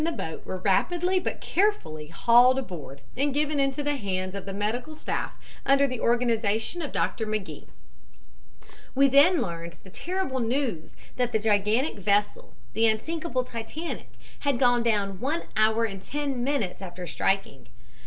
} the boat were rapidly but carefully hauled aboard and given into the hands of the medical staff under the organization of Dr. McGee. "We then learned the terrible news that the gigantic vessel, the unsinkable Titanic, had gone down one hour and ten minutes after striking.